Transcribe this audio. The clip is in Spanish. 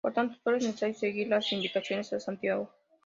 Por tanto solo es necesario seguir las indicaciones a Santiago.